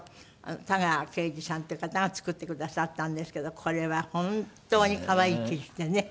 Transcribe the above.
田川啓二さんという方が作ってくださったんですけどこれは本当に可愛い生地でね。